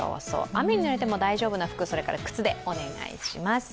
雨にぬれても大丈夫そうな服、靴でお願いします。